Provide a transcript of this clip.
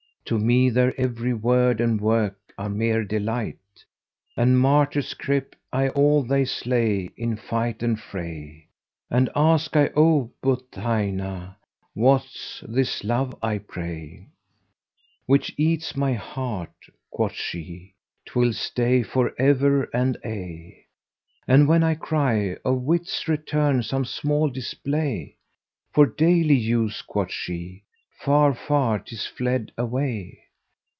To me their every word and work are mere delight, * And martyrs clepe I all they slay in fight and fray: An ask I, 'O Buthaynah! what's this love, I pray, * Which eats my heart?' quoth she ' 'Twill stay for ever and aye!' And when I cry, 'Of wits return some small display * For daily use,' quoth she, 'Far, far 'tis fled away!"